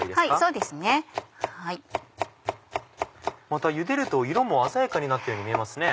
またゆでると色も鮮やかになったように見えますね。